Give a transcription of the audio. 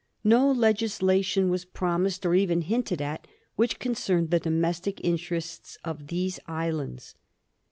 No legislation was promised, or even hinted at, which con cerned the domestic interests of these islands.